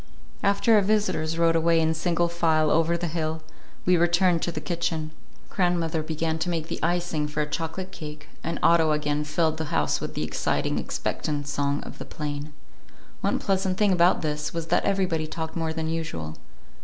After our visitors rode away in single file over the hill, we returned to the kitchen. Grandmother began to make the icing for a chocolate cake, and Otto again filled the house with the exciting, expectant song of the plane. One pleasant thing about this time was that everybody talked more than usual.